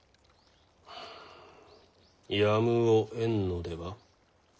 ふうやむをえんのでは？